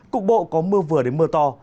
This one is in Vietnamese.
cục bộ có mưa vừa đến mưa to